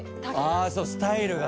あそうスタイルが。